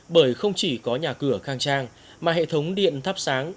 bởi không chỉ có nhà cửa khang trang mà hệ thống điện thắp sáng